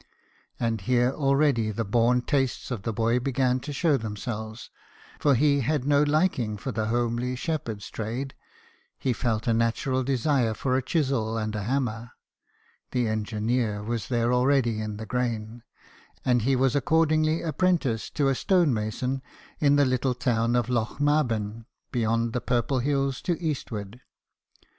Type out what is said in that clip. And here already the born tastes of the boy began to show themselves : for he had no liking for the homely shepherd's trade ; he felt a natural desire for a chisel and a hammer the engineer was there already in the grain and he was accordingly apprenticed to a stonemason in the little town of Lochmaben, beyond the purple hills to eastward.